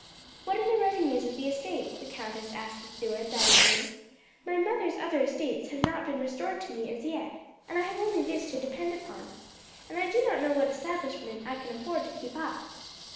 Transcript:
"What are the revenues of the estate?" the countess asked the steward that evening. "My mother's other estates have not been restored to me as yet, and I have only this to depend upon, and I do not know what establishment I can afford to keep up."